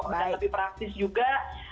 dan lebih praktis juga